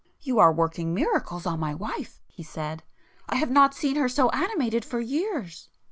"You are working miracles on my wife,"—he said—"I have not seen her so animated for years."